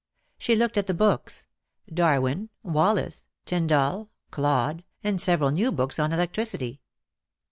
She looked at the books, Darwin, Wallace, Tyndall, Clodd, and several new books on electricity.